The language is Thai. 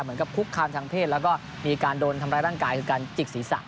คุกคามทางเพศแล้วก็มีการโดนทำร้ายร่างกายคือการจิกศีรษะ